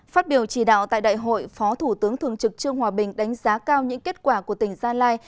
phát biểu chỉ đạo tại đại hội phó thủ tướng thường trực trương hòa bình đánh giá cao những kết quả của tỉnh gia lai